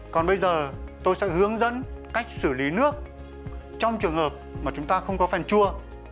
còn bây giờ tôi sẽ hướng dẫn cách xử lý nước trong trường hợp mà chúng ta không có phèn chua